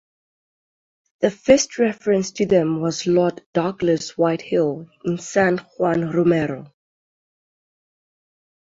The first reference to them was Lord Douglas Whitehill in "San Juan Romero".